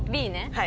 はい。